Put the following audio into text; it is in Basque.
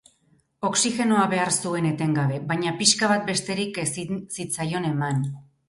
Oxigenoa behar zuen etengabe, baina pixka bat besterik ezin zitzaion eman.